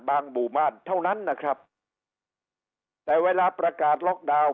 หมู่บ้านเท่านั้นนะครับแต่เวลาประกาศล็อกดาวน์